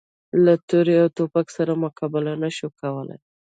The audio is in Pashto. له تورې او توپک سره مقابله نه شو کولای.